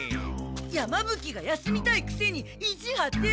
山ぶ鬼が休みたいくせに意地はって！